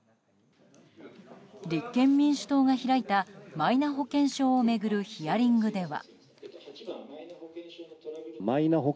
立憲民主党が開いたマイナ保険証を巡るヒアリングでは。